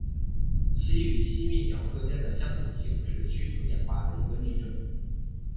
其与吸蜜鸟科间的相拟性是趋同演化的一个例证。